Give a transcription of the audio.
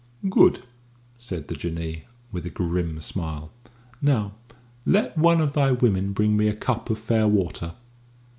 "Good," said the Jinnee, with a grim smile. "Now let one of thy women bring me a cup of fair water."